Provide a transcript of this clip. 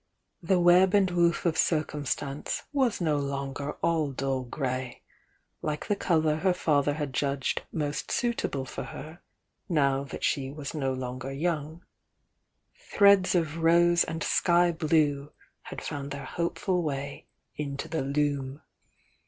The web and woof of Circumstance was no longer all dull grey, like the colour her father had judged most suitable for her now that she was no longer young, — threads of rose and sky blue had found their hopeful way into the loom.